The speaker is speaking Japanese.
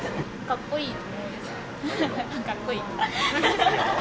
かっこいい。